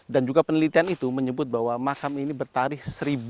dan juga penelitian itu menyebut bahwa makam ini bertarikh seribu tujuh ratus delapan puluh empat